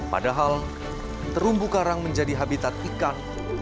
padahal terumbu karang menjadi habitat ikan